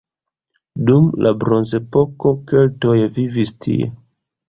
Dum la bronzepoko keltoj vivis tie.